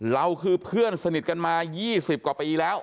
เราคือเพื่อนสนิทกันมา๒๐กว่าปีแล้ว